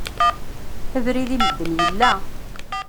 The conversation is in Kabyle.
Abrid i medden yella.